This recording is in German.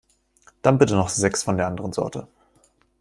Dann bitte noch sechs von der anderen Sorte.